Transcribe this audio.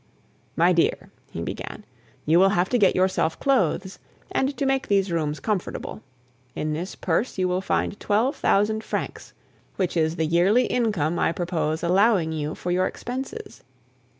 "My dear," he began, "you will have to get yourself clothes, and to make these rooms comfortable. In this purse you will find twelve thousand francs, which is the yearly income I purpose allowing you for your expenses.